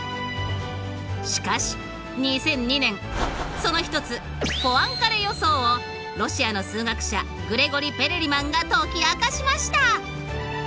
しかし２００２年その一つポアンカレ予想をロシアの数学者グレゴリ・ペレリマンが解き明かしました！